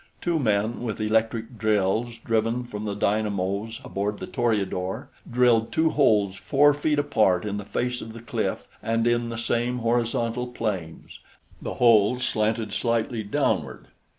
Two men with electric drills driven from the dynamos aboard the Toreador drilled two holes four feet apart in the face of the cliff and in the same horizontal planes. The holes slanted slightly downward.